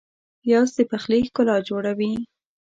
پیاز د پخلي ښکلا جوړوي